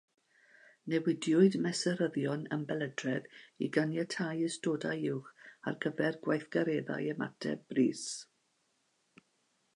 Newidiwyd mesuryddion ymbelydredd i ganiatáu ystodau uwch ar gyfer gweithgareddau ymateb brys.